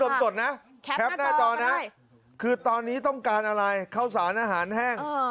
กูไม่ต้องจดนะแคปได้ต่อนะคือตอนนี้ต้องการอะไรเข้าสารอาหารแห้งเอ่อ